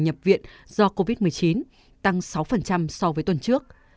nhập viện và tử vong do covid một mươi chín tăng sáu so với tuần trước